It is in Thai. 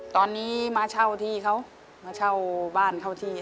ตอนนี้มาเช่าที่เขามาเช่าบ้านเช่าที่